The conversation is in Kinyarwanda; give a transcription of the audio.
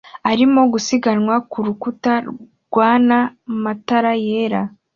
arimo gusiganwa ku rukuta rwana matara yera